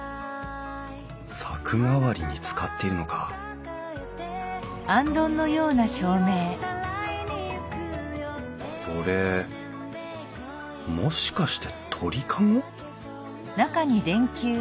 柵代わりに使っているのかこれもしかして鳥籠？